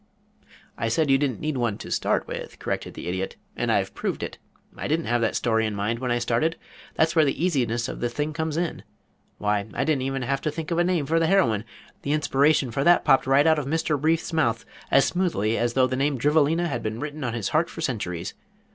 "I said you didn't need one to start with," corrected the Idiot. "And I've proved it. I didn't have that story in mind when I started. That's where the easiness of the thing comes in. Why, I didn't even have to think of a name for the heroine. The inspiration for that popped right out of Mr. Brief's mouth as smoothly as though the name Drivelina had been written on his heart for centuries.